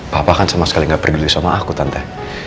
papa kan sama sekali gak peduli sama aku tante